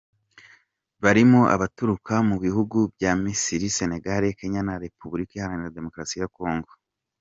Barimo abaturuka mu bihugu bya Misiri, Senegal, Kenya na Repubulika Iharanira Demokarasi ya Congo.